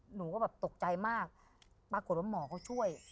หนูก็แบบตกใจมากปรากฏว่าหมอเขาช่วย